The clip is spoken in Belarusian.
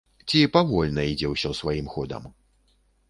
Ці павольна ідзе ўсё сваім ходам?